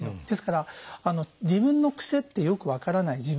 ですから自分の癖ってよく分からない